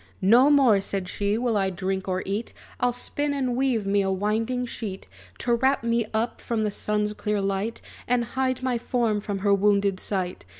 "No more," said she, "will I drink or eat! I'll spin and weave me a winding sheet, To wrap me up from the sun's clear light, And hide my form from her wounded sight.